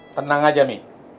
tenang aja mi